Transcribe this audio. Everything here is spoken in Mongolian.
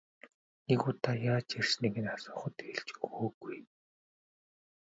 Нэг удаа яаж ирснийг нь асуухад хэлж өгөөгүй.